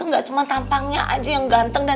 nanti bakal menang